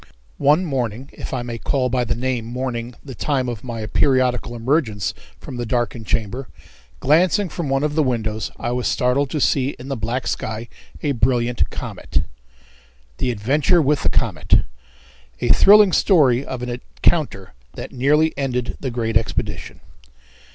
One morning, if I may call by the name morning the time of my periodical emergence from the darkened chamber, glancing from one of the windows, I was startled to see in the black sky a brilliant comet. The Adventure With The Comet. A Thrilling Story of an Encounter that Nearly Ended the Great Expedition.